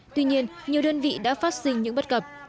tuy nhiên nhiều đơn vị đã phát sinh những bất cập